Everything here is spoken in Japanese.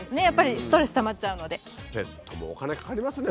やっぱりストレスたまっちゃうので。